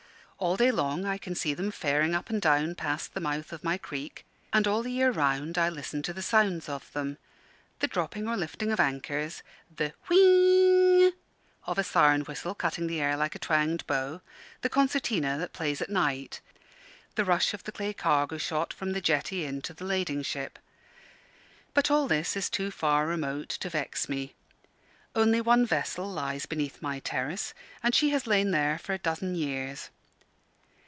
All day long I can see them faring up and down past the mouth of my creek; and all the year round I listen to the sounds of them the dropping or lifting of anchors, the wh h ing! of a siren whistle cutting the air like a twanged bow, the concertina that plays at night, the rush of the clay cargo shot from the jetty into the lading ship. But all this is too far remote to vex me. Only one vessel lies beneath my terrace; and she has lain there for a dozen years.